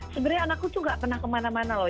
sebenernya anakku tuh gak pernah kemana mana loh